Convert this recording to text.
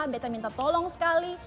bete minta tolong sekali